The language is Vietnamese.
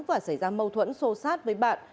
và xảy ra một bệnh viện cấp cứu